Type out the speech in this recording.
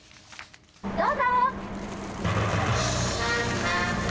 どうぞ！